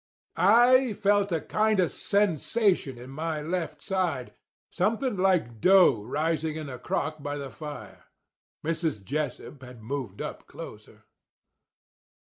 "I felt a kind of sensation in my left side—something like dough rising in a crock by the fire. Mrs. Jessup had moved up closer.